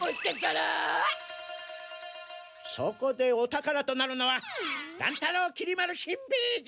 そこでお宝となるのは乱太郎きり丸しんべヱじゃ！